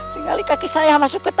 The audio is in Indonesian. tinggal di kaki saya masuk ke tanah